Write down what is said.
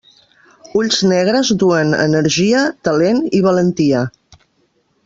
Ulls negres duen energia, talent i valentia.